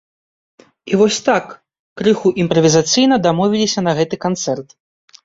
І вось так, крыху імправізацыйна дамовіліся на гэты канцэрт.